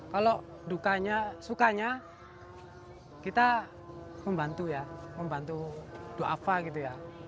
kalau dukanya sukanya kita membantu ya membantu do'afa gitu ya